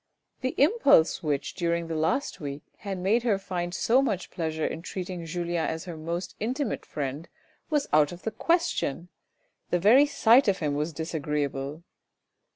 The impulse which CRUEL MOMENTS 361 during the last week had made her find so much pleasure in treating Julien as her most intimate friend was out of the question ; the very sight of him was disagreeable.